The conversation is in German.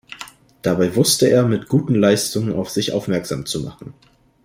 Dabei wusste er mit guten Leistungen auf sich aufmerksam zu machen.